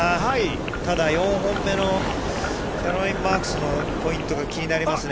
ただ４本目のキャロライン・マークスのポイントが気になりますね。